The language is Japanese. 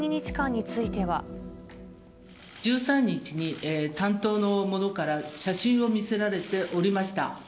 １３日に担当の者から写真を見せられておりました。